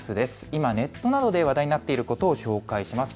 今ネットなどで話題になっていることを紹介します。